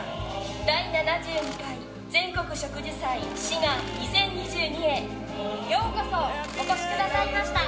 第７２回全国植樹祭しが２０２２へようこそお越しくださいました。